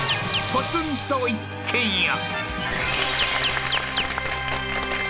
ポツンと一軒家